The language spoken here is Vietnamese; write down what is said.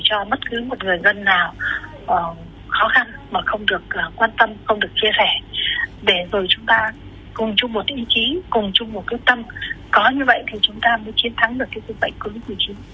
có như vậy thì chúng ta mới chiến thắng được cái dịch bệnh của lịch sử